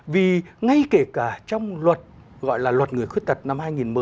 vì ngay kể cả trong luật gọi là luật người khuyết tật năm hai nghìn một mươi